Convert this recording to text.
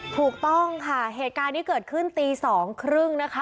ถูกต้องค่ะเหตุการณ์นี้เกิดขึ้นตี๒๓๐นะคะ